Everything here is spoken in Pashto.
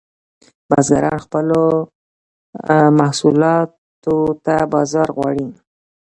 بزګران خپلو محصولاتو ته بازار غواړي